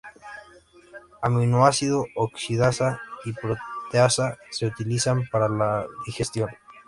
Aminoácido oxidasa y proteasa se utilizan para la digestión.